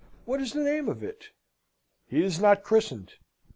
What is the name of it?" "He is not christened.